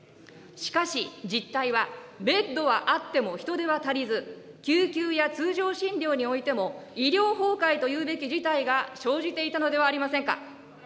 しかし、実態は、ベッドはあっても人手は足りず、救急や通常診療においても、医療崩壊というべき事態が生じていたのではありませんか。